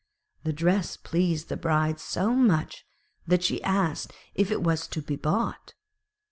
The dress pleased the Bride so much that she asked if it was to be bought.